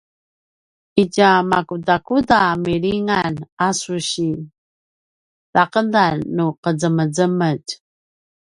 itja makudakuda milingan a su sitaqedan nu qezemezemetj?